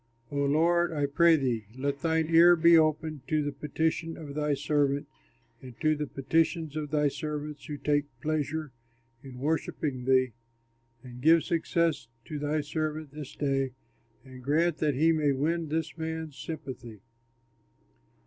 O Lord, I pray thee, let thine ear be open to the petition of thy servant and to the petitions of thy servants who take pleasure in worshipping thee, and give success to thy servant this day, and grant that he may win this man's sympathy."